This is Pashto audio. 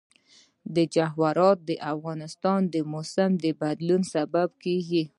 جواهرات د افغانستان د موسم د بدلون سبب کېږي.